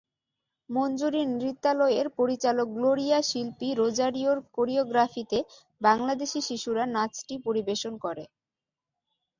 মঞ্জুরী নৃত্যালয়ের পরিচালক গ্লোরিয়া শিল্পী রোজারিওর কোরিগ্রাফিতে বাংলাদেশি শিশুরা নাচটি পরিবেশন করে।